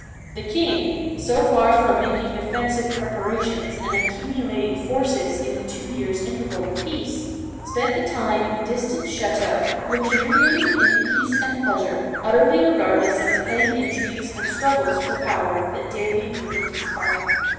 The king, so far from making defensive preparations and accumulating forces in the two years' interval of peace, spent the time in distant chateaux, luxuriating in ease and pleasure, utterly regardless of the petty in trigues and struggles for power that daily weakened his party.